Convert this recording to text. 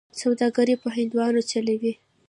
سوداګري په هندوانو چلوي.